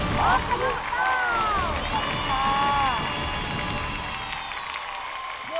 พบกันครับ